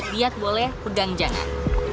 lihat boleh pegang jangan